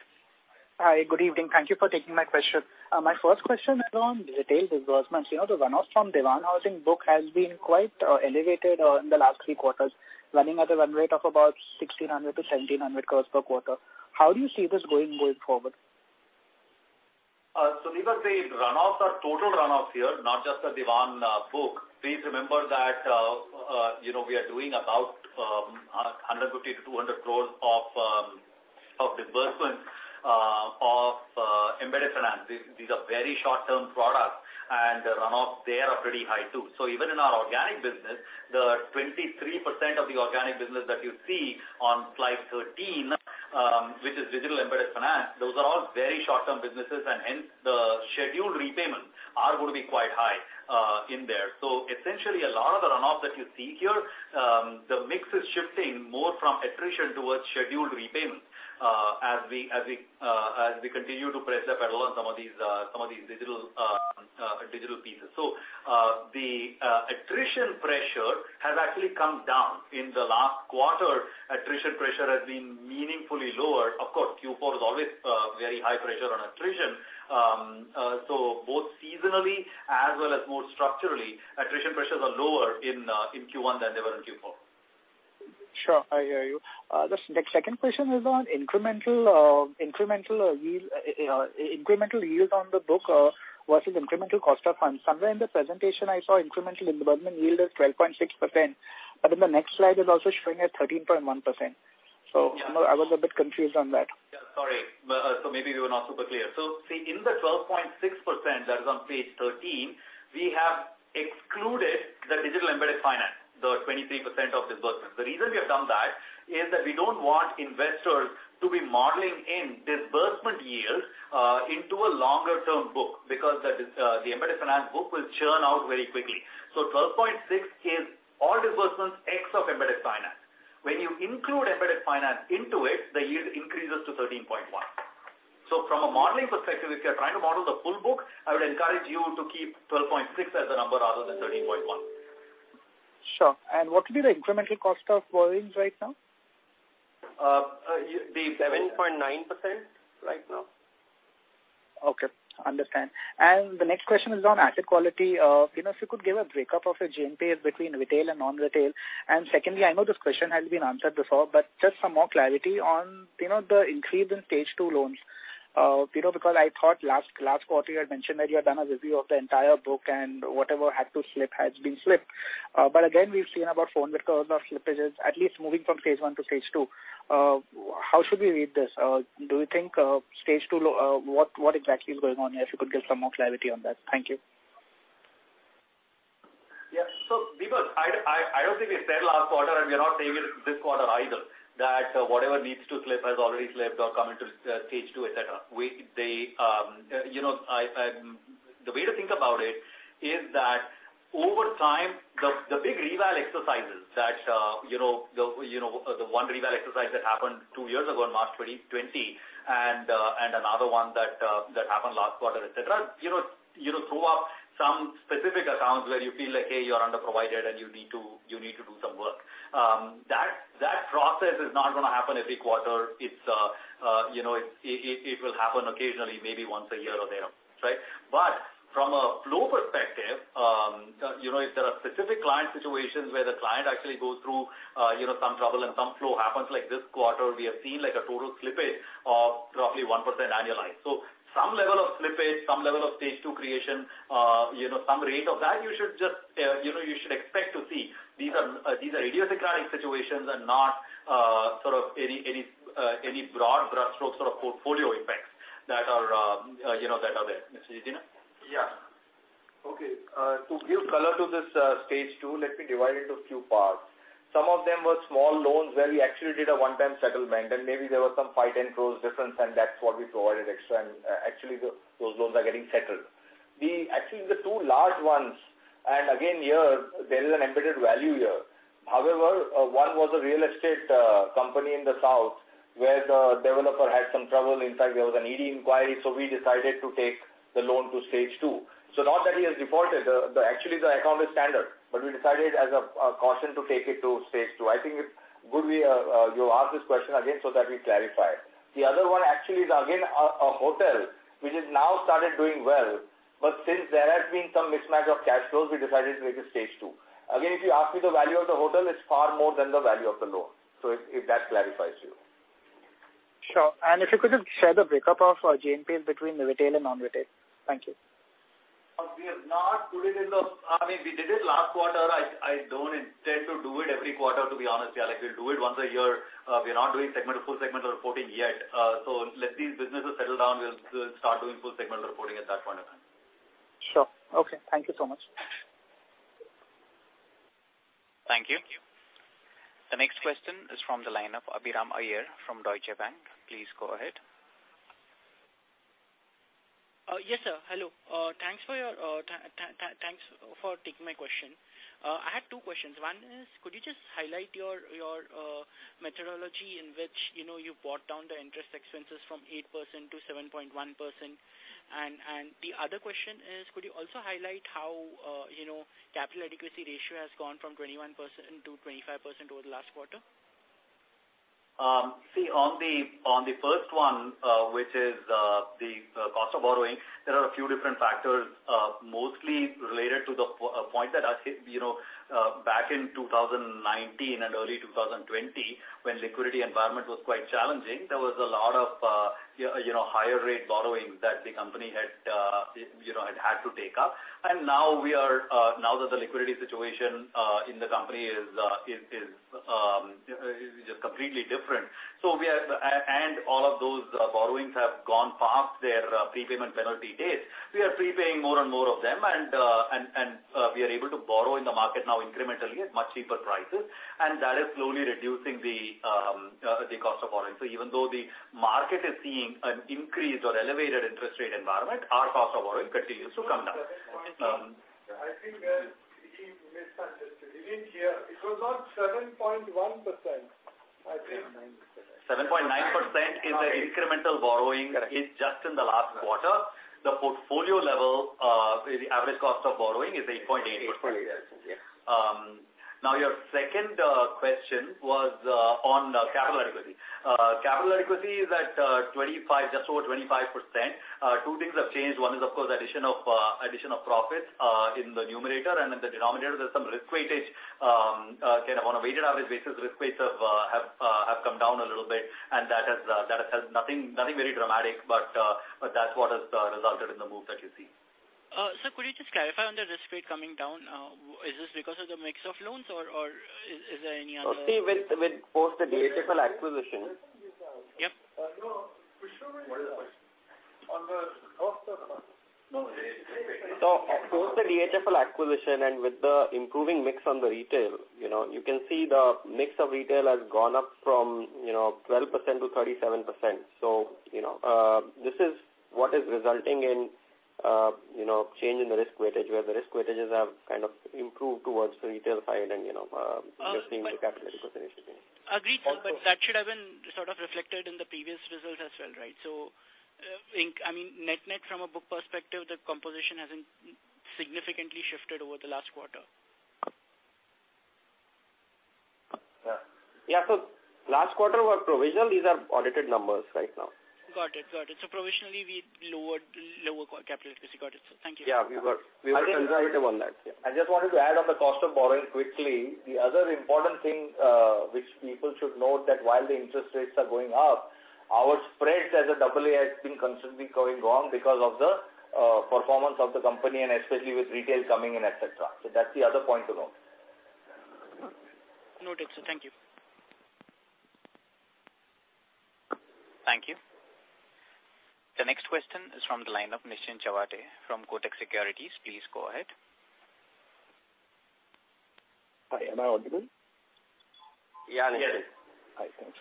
Hi. Good evening. Thank you for taking my question. My first question is on retail disbursements. You know, the runoffs from Dewan Housing book has been quite elevated in the last three quarters, running at a run rate of about 1,600-1,700 crore per quarter. How do you see this going forward? Because the runoffs are total runoffs here, not just the [DHFL] book. Please remember that, you know, we are doing about 150-200 crore of disbursement of embedded finance. These are very short-term products, and the runoff there are pretty high too. Even in our organic business, the 23% of the organic business that you see on slide 13, which is digital embedded finance, those are all very short-term businesses and hence the scheduled repayments are going to be quite high in there. Essentially a lot of the runoff that you see here, the mix is shifting more from attrition towards scheduled repayments, as we continue to press the pedal on some of these digital pieces. The attrition pressure has actually come down. In the last quarter, attrition pressure has been meaningfully lower. Of course, Q4 is always very high pressure on attrition. Both seasonally as well as more structurally, attrition pressures are lower in Q1 than they were in Q4. Sure. I hear you. The second question is on incremental yield on the book versus incremental cost of funds. Somewhere in the presentation I saw incremental disbursement yield is 12.6%, but in the next slide it's also showing at 13.1%. Yeah. I was a bit confused on that. Yeah, sorry. Maybe we were not super clear. See, in the 12.6% that is on page 13, we have excluded the digital embedded finance, the 23% of disbursements. The reason we have done that is that we don't want investors to be modeling in disbursement yields into a longer term book because the embedded finance book will churn out very quickly. Twelve point six is all disbursements ex of embedded finance. When you include embedded finance into it, the yield increases to 13.1. From a modeling perspective, if you're trying to model the full book, I would encourage you to keep 12.6 as a number rather than 13.1. Sure. What will be the incremental cost of borrowings right now? The 7.9% right now. Okay. Understood. The next question is on asset quality. You know, if you could give a break-up of the GNPAs between retail and non-retail. Secondly, I know this question has been answered before, but just some more clarity on, you know, the increase in Stage 2 loans. You know, because I thought last quarter you had mentioned that you had done a review of the entire book and whatever had to slip has been slipped. But again, we've seen about 400 crore of slippages, at least moving from Stage 1 to Stage 2. How should we read this? Do you think, what exactly is going on here? If you could give some more clarity on that. Thank you. Yeah. Because I don't think we said last quarter, and we're not saying it this quarter either, that whatever needs to slip has already slipped or come into Stage 2, et cetera. The way to think about it is that over time, the big reval exercises that you know, the one reval exercise that happened two years ago in March 2020 and another one that happened last quarter, et cetera, you know, throw up some specific accounts where you feel like, "Hey, you're underprovided and you need to do some work." That process is not gonna happen every quarter. It's you know, it will happen occasionally, maybe once a year or thereabout, right? From a flow perspective, you know, if there are specific client situations where the client actually goes through, you know, some trouble and some flow happens like this quarter, we have seen like a total slippage of roughly 1% annualized. Some level of slippage, some level of Stage 2 creation, you know, some rate of that, you should just, you know, you should expect to see. These are, these are idiosyncratic situations and not sort of any broad brushstrokes or portfolio effects that are, you know, that are there. Mr. Jijina? Yeah. Okay. To give color to this, Stage 2, let me divide it to a few parts. Some of them were small loans where we actually did a one-time settlement, and maybe there was some INR 5 crore-INR 10 crore difference, and that's what we provided extra. Actually, those loans are getting settled. Actually, the two large ones, and again, here, there is an embedded value here. However, one was a real estate company in the south, where the developer had some trouble. In fact, there was an ED inquiry, so we decided to take the loan to Stage 2. Not that he has defaulted. Actually, the account is standard, but we decided as a caution to take it to Stage 2. I think it's good you asked this question again so that we clarify it. The other one actually is again a hotel which has now started doing well, but since there has been some mismatch of cash flows, we decided to make it Stage 2. Again, if you ask me the value of the hotel, it's far more than the value of the loan. If that clarifies you. Sure. If you could just share the breakup of GNPA between the retail and non-retail. Thank you. I mean, we did it last quarter. I don't intend to do it every quarter, to be honest. Yeah, like, we'll do it once a year. We are not doing full segment reporting yet. Let these businesses settle down. We'll start doing full segment reporting at that point in time. Sure. Okay. Thank you so much. Thank you. The next question is from the line of Abhiram Iyer from Deutsche Bank. Please go ahead. Yes, sir. Hello. Thanks for your thanks for taking my question. I had two questions. One is, could you just highlight your methodology in which, you know, you brought down the interest expenses from 8%-7.1%? The other question is, could you also highlight how, you know, Capital Adequacy Ratio has gone from 21%-25% over the last quarter? On the first one, which is the cost of borrowing, there are a few different factors, mostly related to the point that I said, you know, back in 2019 and early 2020, when liquidity environment was quite challenging, there was a lot of, you know, higher rate borrowings that the company had to take up. Now that the liquidity situation in the company is just completely different, all of those borrowings have gone past their prepayment penalty dates. We are prepaying more and more of them and we are able to borrow in the market now incrementally at much cheaper prices, and that is slowly reducing the cost of borrowing. Even though the market is seeing an increase or elevated interest rate environment, our cost of borrowing continues to come down. I think he misunderstood. He didn't hear. It was not 7.1%, I think. 7.9%. 7.9% is the incremental borrowing. Correct. This is just in the last quarter. The portfolio level, the average cost of borrowing is 8.8%. 8.8%. Yeah. Now your second question was on capital adequacy. Capital adequacy is at 25, just over 25%. Two things have changed. One is, of course, addition of profits in the numerator, and in the denominator, there's some risk weightage, again, on a weighted average basis, risk weights have come down a little bit and that has nothing very dramatic, but that's what has resulted in the move that you see. Sir, could you just clarify on the risk weight coming down? Is this because of the mix of loans or is there any other- See, with post the DHFL acquisition. What was the question? Yep. No. What is the question? On the cost of- No. Post the DHFL acquisition and with the improving mix on the retail, you know, you can see the mix of retail has gone up from, you know, 12%-37%. This is what is resulting in, you know, change in the risk weightage, where the risk weightages have kind of improved towards the retail side and, you know, increasing the capital adequacy ratio. Agreed. Also- That should have been sort of reflected in the previous results as well, right? I mean, net-net from a book perspective, the composition hasn't significantly shifted over the last quarter. Yeah. Last quarter were provisional. These are audited numbers right now. Got it. Provisionally, we lower our capital adequacy. Got it. Thank you. Yeah. I think. We were conservative on that. Yeah. I just wanted to add on the cost of borrowing quickly. The other important thing, which people should note that while the interest rates are going up, our spreads as a AA has been consistently going down because of the performance of the company and especially with retail coming in, et cetera. That's the other point to note. Noted, sir. Thank you. Thank you. The next question is from the line of Nischint Chawathe from Kotak Securities. Please go ahead. Hi. Am I audible? Yeah. Yes. Hi. Thanks.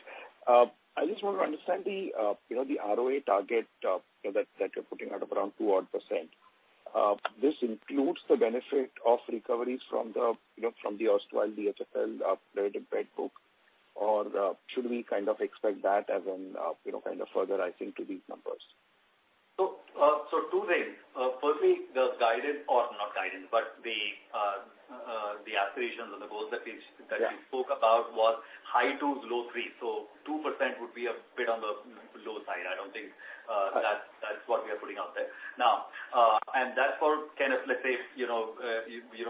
I just want to understand the, you know, the ROA target, you know, that you're putting out of around 2 odd %. This includes the benefit of recoveries from the, you know, from the erstwhile DHFL related bad book? Or should we kind of expect that as an, you know, kind of further, I think, to these numbers? Two things. Firstly, the guidance or not guidance, but the aspirations or the goals that we- Yeah. That we spoke about was high twos, low threes. 2% would be a bit on the low side. I don't think that's what we are putting out there. Now, that's for kind of, let's say, you know,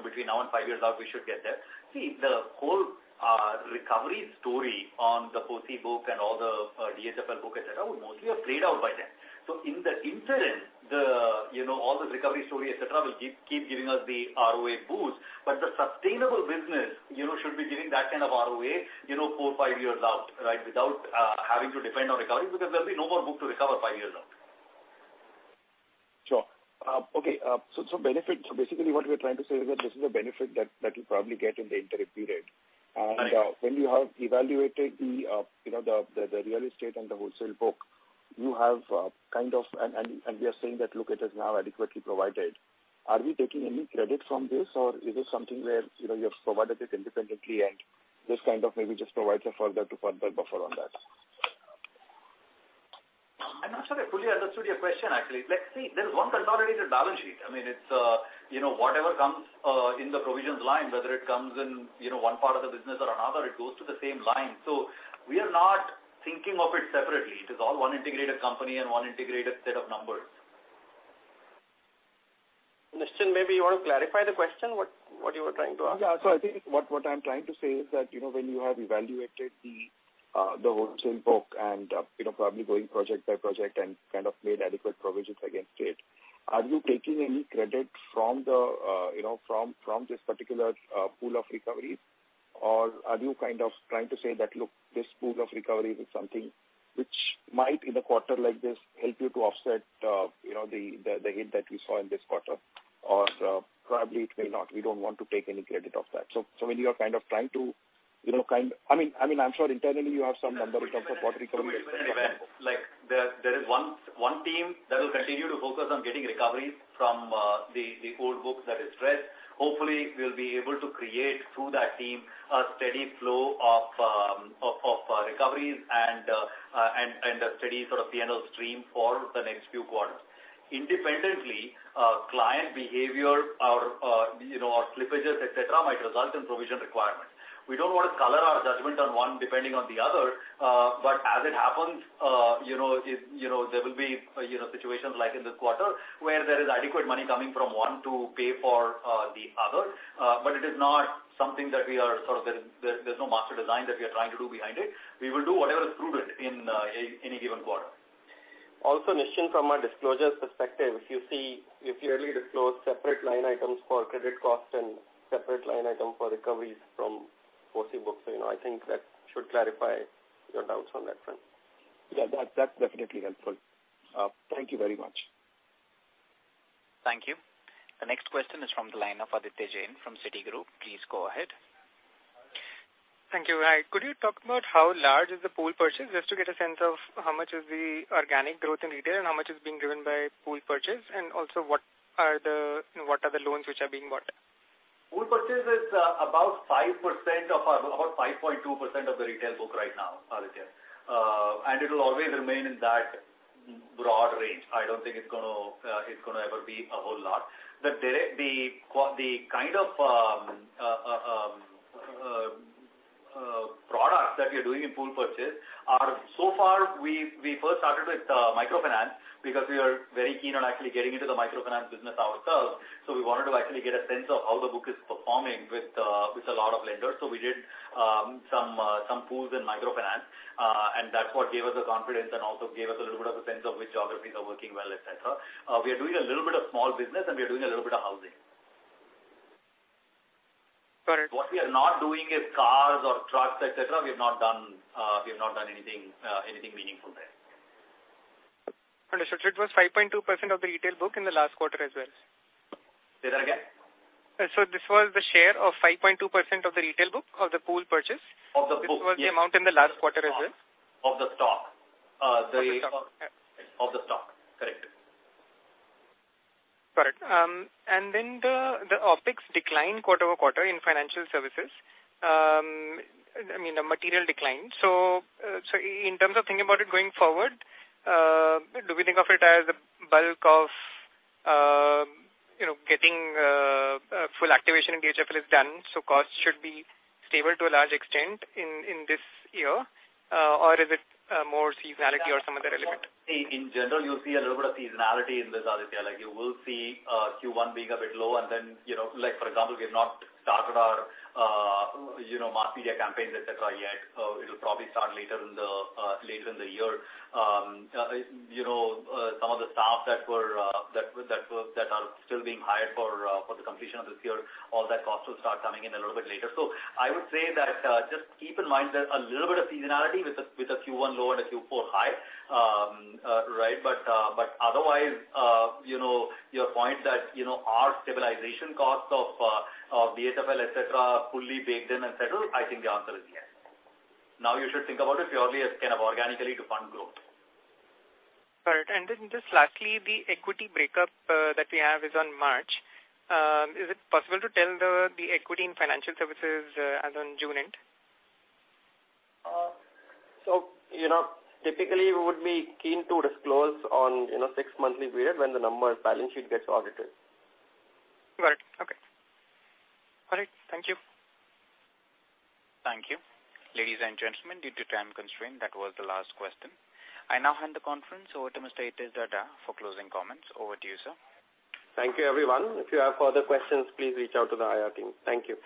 between now and five years out, we should get there. See, the whole recovery story on the legacy book and all the DHFL book, et cetera, will mostly have played out by then. In the interim, you know, all the recovery story, et cetera, will keep giving us the ROA boost. The sustainable business, you know, should be giving that kind of ROA, you know, four, five years out, right? Without having to depend on recovery because there'll be no more book to recover five years out. Basically what we're trying to say is that this is a benefit that you'll probably get in the interim period. Right. When you have evaluated, you know, the real estate and the wholesale book. We are saying that, look, it is now adequately provided. Are we taking any credit from this or is this something where, you know, you have provided it independently and this kind of maybe just provides a further buffer on that? I'm not sure I fully understood your question actually. Let's see. There's one consolidated balance sheet. I mean, it's, you know, whatever comes in the provisions line, whether it comes in, you know, one part of the business or another, it goes to the same line. We are not thinking of it separately. It is all one integrated company and one integrated set of numbers. Nischint, maybe you want to clarify the question, what you were trying to ask? Yeah. I think what I'm trying to say is that, you know, when you have evaluated the wholesale book and, you know, probably going project by project and kind of made adequate provisions against it, are you taking any credit from the, you know, from this particular pool of recoveries? Or are you kind of trying to say that, look, this pool of recoveries is something which might in a quarter like this help you to offset, you know, the hit that we saw in this quarter? Or, probably it may not. We don't want to take any credit of that. When you are kind of trying to, you know, I mean, I'm sure internally you have some number in terms of what recovery- Like, there is one team that will continue to focus on getting recoveries from the old book that is stressed. Hopefully, we'll be able to create through that team a steady flow of recoveries and a steady sort of P&L stream for the next few quarters. Independently, client behavior or, you know, or slippages, et cetera, might result in provision requirements. We don't want to color our judgment on one depending on the other. As it happens, you know, there will be, you know, situations like in this quarter where there is adequate money coming from one to pay for the other. It is not something that we are sort of. There's no master design that we are trying to do behind it. We will do whatever is prudent in any given quarter. Also, Nischint, from a disclosure perspective, you see, we clearly disclose separate line items for credit cost and separate line item for recoveries from POCI book. You know, I think that should clarify your doubts on that front. Yeah, that's definitely helpful. Thank you very much. Thank you. The next question is from the line of Aditya Jain from Citigroup. Please go ahead. Thank you. Hi. Could you talk about how large is the pool purchase? Just to get a sense of how much is the organic growth in retail and how much is being driven by pool purchase? Also what are the loans which are being bought? Pool Purchase is about 5% of our, about 5.2% of the retail book right now, Aditya. It'll always remain in that broad range. I don't think it's gonna ever be a whole lot. The kind of product that we are doing in Pool Purchase are so far we first started with microfinance because we are very keen on actually getting into the microfinance business ourselves. We wanted to actually get a sense of how the book is performing with a lot of lenders. We did some pools in microfinance, and that's what gave us the confidence and also gave us a little bit of a sense of which geographies are working well, et cetera. We are doing a little bit of small business and we are doing a little bit of housing. Correct. What we are not doing is cars or trucks, et cetera. We have not done anything meaningful there. Understood. It was 5.2% of the retail book in the last quarter as well. Say that again. This was the share of 5.2% of the retail book or the Pool Purchase. Of the book. This was the amount in the last quarter as well. Of the stock. Of the stock. Yeah. Of the stock. Correct. Correct. The OpEx declined quarter-over-quarter in financial services. I mean, a material decline. In terms of thinking about it going forward, do we think of it as the bulk of you know getting full activation in DHFL is done, so costs should be stable to a large extent in this year? Is it more seasonality or some other element? In general, you'll see a little bit of seasonality in this, Aditya. Like, you will see Q1 being a bit low and then, you know, like for example, we've not started our mass media campaigns, et cetera yet. It'll probably start later in the year. Some of the staff that are still being hired for the completion of this year, all that cost will start coming in a little bit later. I would say that just keep in mind that a little bit of seasonality with the Q1 low and a Q4 high. Right? Otherwise, you know, your point that, you know, our stabilization costs of DHFL, et cetera, are fully baked in and settled, I think the answer is yes. Now, you should think about it purely as kind of organically to fund growth. Correct. Then just lastly, the equity breakup that we have is on March. Is it possible to tell the equity in financial services as on June end? You know, typically we would be keen to disclose on, you know, six monthly period when the numbers balance sheet gets audited. Got it. Okay. All right. Thank you. Thank you. Ladies and gentlemen, due to time constraint, that was the last question. I now hand the conference over to Mr. Hitesh Dhaddha for closing comments. Over to you, sir. Thank you, everyone. If you have further questions, please reach out to the IR team. Thank you.